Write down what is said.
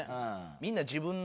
みんな自分の。